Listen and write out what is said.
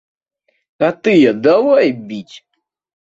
А тыя давай біць.